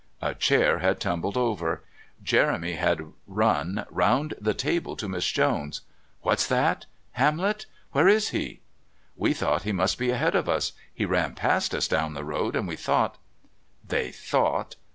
A chair had tumbled over. Jeremy had run round the table to Miss Jones. "What's that? Hamlet? Where is he?" "We thought he must be ahead of us. He ran past us down the road, and we thought " They thought!